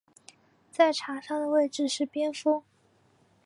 在场上的位置是边锋。